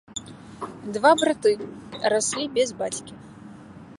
Два браты, раслі без бацькі.